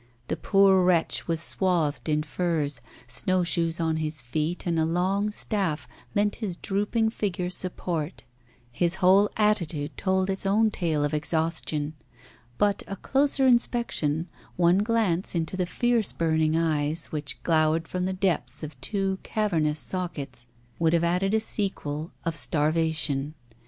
The poor wretch was swathed in furs; snow shoes on his feet, and a long staff lent his drooping figure support. His whole attitude told its own tale of exhaustion. But a closer inspection, one glance into the fierce burning eyes, which glowered from the depths of two cavernous sockets, would have added a sequel of starvation.